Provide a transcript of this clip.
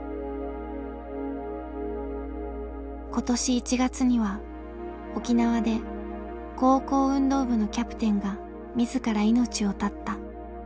今年１月には沖縄で高校運動部のキャプテンが自ら命を絶った。